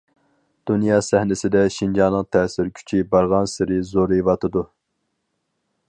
دۇنيا سەھنىسىدە شىنجاڭنىڭ تەسىر كۈچى بارغانسېرى زورىيىۋاتىدۇ.